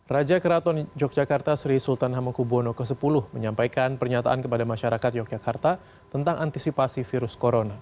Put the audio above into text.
raja keraton yogyakarta sri sultan hamengkubwono x menyampaikan pernyataan kepada masyarakat yogyakarta tentang antisipasi virus corona